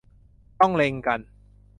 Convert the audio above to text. ต้องเล็งกัน